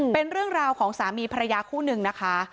เป็นเรื่องราวของสามีภรรยาคู่หนึ่งนะคะ